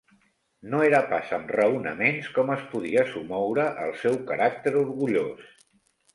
No era pas amb raonaments com es podia somoure el seu caràcter orgullós.